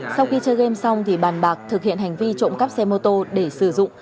sau khi chơi game xong thì bàn bạc thực hiện hành vi trộm cắp xe mô tô để sử dụng